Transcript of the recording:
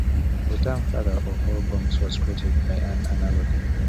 The term "Father of All Bombs" was created by an analogy.